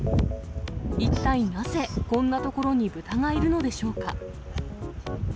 一体なぜ、こんな所に豚がいるのでしょうか。